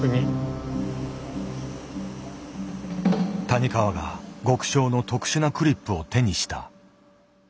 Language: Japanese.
谷川が極小の特殊なクリップを手にした。